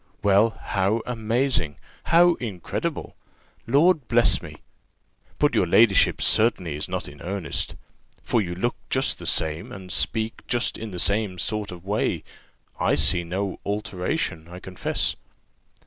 "Well, how amazing! how incredible! Lord bless me! But your ladyship certainly is not in earnest? for you look just the same, and speak just in the same sort of way: I see no alteration, I confess."